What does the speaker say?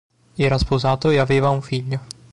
Era sposato e aveva un figlio.